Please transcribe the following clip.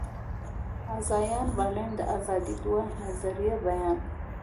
ازایا برلین د آزادي دوه نظریې بیان کړې.